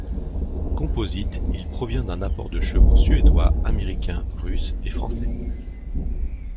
Composite, il provient d'un apport de chevaux suédois, américains, russes et français.